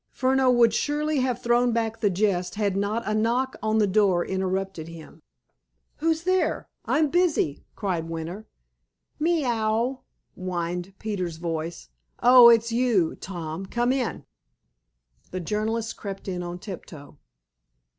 Furneaux would surely have thrown back the jest had not a knock on the door interrupted him. "Who's there? I'm busy," cried Winter. "Me ow!" whined Peters's voice. "Oh, it's you, Tom. Come in!" The journalist crept in on tiptoe.